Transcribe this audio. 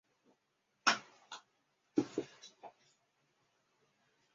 德皇巴巴罗萨号战列舰是德意志帝国的一艘德皇腓特烈三世级前无畏战列舰。